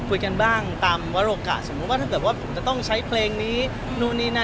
คุยกันบ้างตามวโลกะสมมุติว่าถ้าเกิดว่าผมจะต้องใช้เพลงนี้นู่นนี่นั่น